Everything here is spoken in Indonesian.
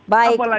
baik baik baik